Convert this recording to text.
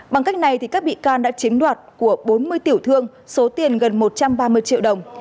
bằng cách này các bị can đã chiếm đoạt của bốn mươi tiểu thương số tiền gần một trăm ba mươi triệu đồng